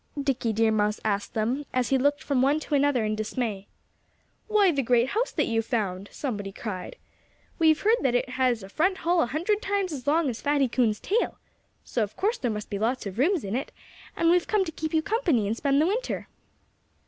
Dickie Deer Mouse asked them as he looked from one to another in dismay. "Why, the great house that you've found!" somebody cried. "We've heard that it has a front hall a hundred times as long as Fatty Coon's tail. So of course there must be lots of rooms in it; and we've come to keep you company and spend the winter."